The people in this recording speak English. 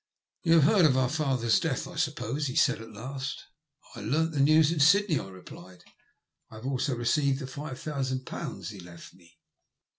''You have heard of our father's death, I suppose? " he said at last. ''I learnt the news in Sydney," I replied. ''I have also received the five thousand pounds he left me."